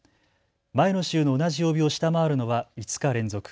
前の週の同じ曜日を下回るのは５日連続。